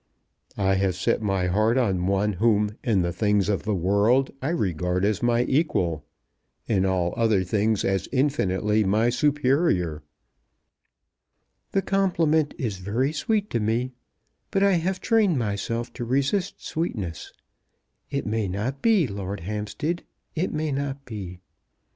"I have set my heart on one whom in the things of the world I regard as my equal, in all other things as infinitely my superior." "The compliment is very sweet to me, but I have trained myself to resist sweetness. It may not be, Lord Hampstead. It may not be.